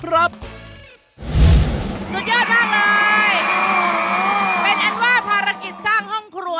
เร็วเร็ว